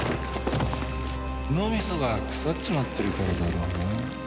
脳みそが腐っちまってるからだろうな。